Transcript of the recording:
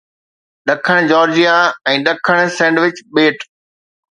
ڏکڻ جارجيا ۽ ڏکڻ سينڊوچ ٻيٽ